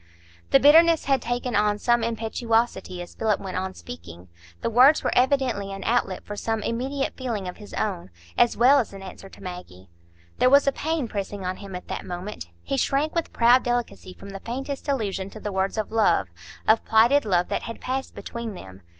The bitterness had taken on some impetuosity as Philip went on speaking; the words were evidently an outlet for some immediate feeling of his own, as well as an answer to Maggie. There was a pain pressing on him at that moment. He shrank with proud delicacy from the faintest allusion to the words of love, of plighted love that had passed between them.